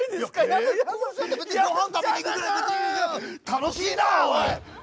楽しいなおい！